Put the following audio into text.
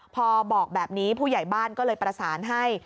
พอบอกแบบนี้ผู้ใหญ่บ้านก็เลยประสานให้